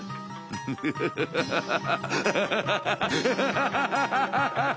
フフフフハハハハ！